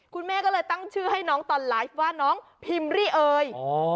คุณแม่ก็เลยตั้งชื่อให้น้องตอนไลฟ์ว่าน้องพิมรี่เอ่ย